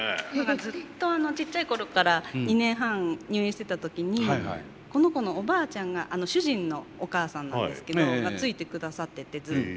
ずっとちっちゃい頃から２年半入院してた時にこの子のおばあちゃんが主人のお母さんなんですけどついてくださっててずっと。